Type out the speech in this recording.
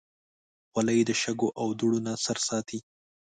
خولۍ د شګو او دوړو نه سر ساتي.